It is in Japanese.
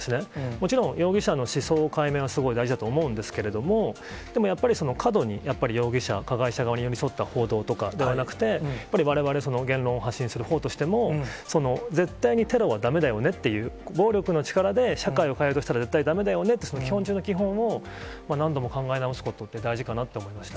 もちろん容疑者の思想解明はすごい大事だと思うんですけれども、でもやっぱり、過度に容疑者、加害者側に寄り添った報道とかではなくて、われわれ、言論を発信するほうとしても、絶対にテロはだめだよねっていう、暴力の力で社会を変えようとしたら絶対だめだよねって、その基本中の基本を、何度も考え直すことって大事かなと思いました。